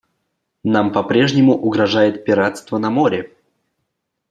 Нам по-прежнему угрожает пиратство на море.